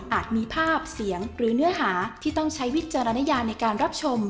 มีภาพเสียงหรือเนื้อหาที่ต้องใช้วิจารณญาในการรับชม